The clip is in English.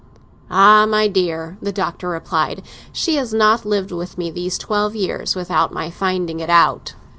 "Ah, my dear," the Doctor replied, "she has not lived with me these twelve years without my finding it out!"